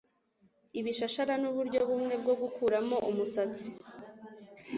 Ibishashara nuburyo bumwe bwo gukuramo umusatsi